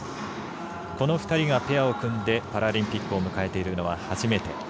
この２人がペアを組んでパラリンピックを迎えているのは初めて。